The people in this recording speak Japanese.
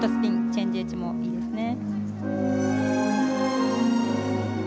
チェンジエッジもいいですね。